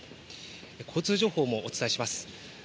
交通情報もお伝えします。